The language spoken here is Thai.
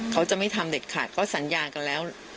เขาจะไม่ทำเด็ดขาดเขาสัญญากันแล้ว